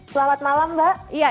selamat malam mbak